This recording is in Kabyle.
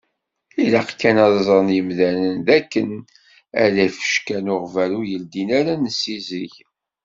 Ilaq kan ad ẓren yimdanen d akken ala ifecka n uɣbalu yeldin ara nessidig.